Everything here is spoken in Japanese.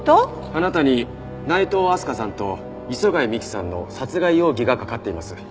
あなたに内藤明日香さんと磯貝美希さんの殺害容疑がかかっています。